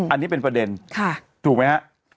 อันนี้เป็นประเด็นถูกไหมฮะ